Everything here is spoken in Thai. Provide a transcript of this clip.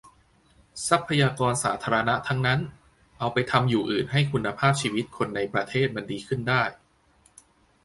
ทรัพยากรสาธารณะทั้งนั้น เอาไปทำอยู่อื่นให้คุณภาพชีวิตคนในประเทศมันดีขึ้นได้